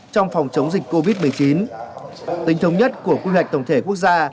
trong phòng chống dịch covid một mươi chín tính thống nhất của quy hoạch tổng thể quốc gia